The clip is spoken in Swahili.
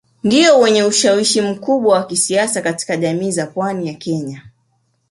Ndio wenye ushawishi mkubwa wa kisiasa katika jamii za pwani ya Kenya